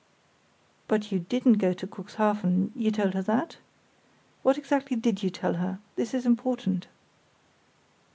"But you didn't go to Cuxhaven; you told her that? What exactly did you tell her? This is important."